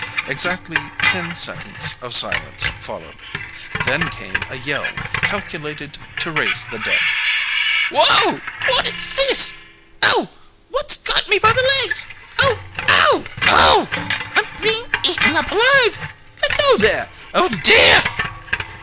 Exactly ten seconds of silence followed. Then came a yell calculated to raise the dead. "Whow! What's this? Oh! What's got me by the legs? Oh, oh! oh! I'm being eaten up alive! Let go there! Oh, dear!"